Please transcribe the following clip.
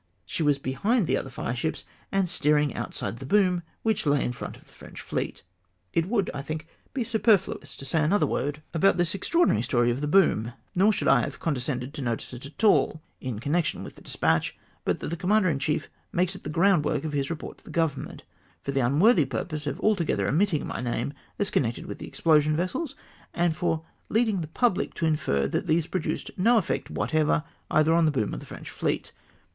she was behind the other fireships, and steering outside the boom, which lay in front of the French fleet! It would, I think, be superfluous to say another word E E 2 420 REASON OF THE illSSTATEMENT. about this extraordinary story of the boom, nor sliould I have condescended to notice it at all in connection with the despatch, but that the commander in chief makes it the groundwork of his report to the Govern ment, for the unworthy purpose of altogether omitting my name as connected with the explosion vessels, and for leading the pubhc to infer that these produced no effect whatever^ either on the boom or the French Jieet!